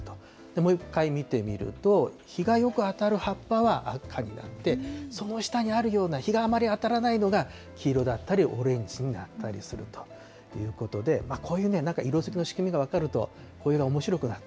もう一回見てみると、日がよく当たる葉っぱは赤になって、その下にあるような、日があまり当たらないのが黄色だったりオレンジになったりするということで、こういうね、なんか色づきの仕組みが分かると、紅葉がおもしろくなる。